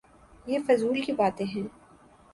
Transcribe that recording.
یہ فضول کی باتیں ہیں۔